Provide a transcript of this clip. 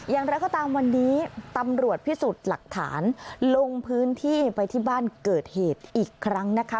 อย่างไรก็ตามวันนี้ตำรวจพิสูจน์หลักฐานลงพื้นที่ไปที่บ้านเกิดเหตุอีกครั้งนะคะ